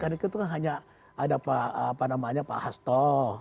karena itu hanya ada pak hasto